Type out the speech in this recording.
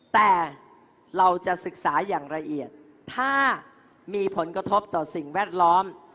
แต่เราจะศึกษาอย่างละเอียดถ้ามีผลกระทบต่อสิ่งแวดล้อม